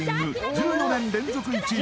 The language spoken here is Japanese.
１４年連続１位